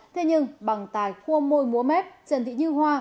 thế nhưng bằng tài khoa môi múa mép trần thị như hoa